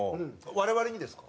我々にですか？